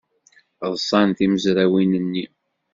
Ḍṣant tmezrawin-nni.